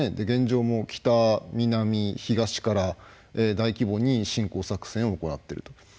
現状も北、南、東から大規模に侵攻作戦を行っていると。